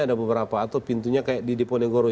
ada beberapa atau pintunya kayak di diponegoro